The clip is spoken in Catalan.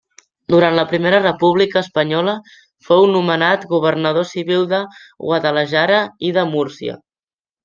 Durant la Primera República Espanyola fou nomenat governador civil de Guadalajara i de Múrcia.